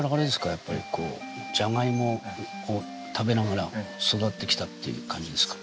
やっぱりこうじゃがいもを食べながら育ってきたっていう感じですか？